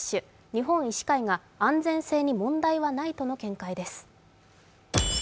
日本医師会が安全性に問題はないとの見解です。